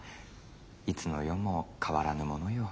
いつの世も変わらぬものよ。